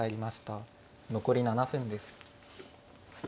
残り７分です。